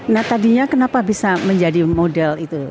nah tadinya kenapa bisa menjadi model itu